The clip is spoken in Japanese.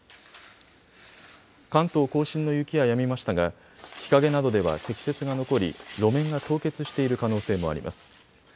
関東甲信の雪はやみましたが日陰などでは積雪が残り、路面が凍結している可能性もあります。